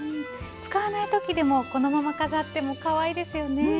使わない時でもこのまま飾ってもかわいいですよね。